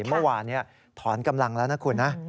เมื่อวานนี้ถอนกำลังแล้วนะคุณนะ